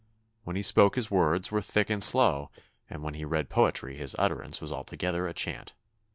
When he spoke his words were thick and slow, and when he read poetry his utterance was altogether a chant."